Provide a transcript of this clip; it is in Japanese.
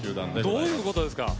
「どういうことですか？」